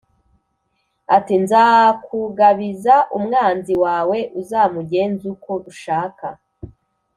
ati ‘Nzakugabiza umwanzi wawe uzamugenze uko ushaka.’